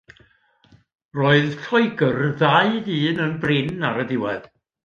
Roedd Lloegr ddau ddyn yn brin ar y diwedd.